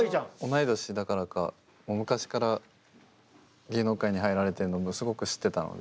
同い年だからかもう昔から芸能界に入られてるのもすごく知ってたので。